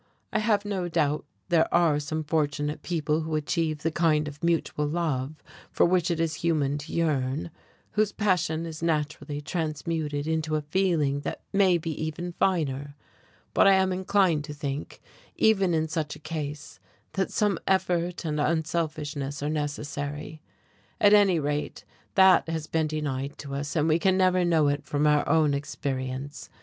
I have no doubt that there are some fortunate people who achieve the kind of mutual love for which it is human to yearn, whose passion is naturally transmuted into a feeling that may be even finer, but I am inclined to think, even in such a case, that some effort and unselfishness are necessary. At any rate, that has been denied to us, and we can never know it from our own experience.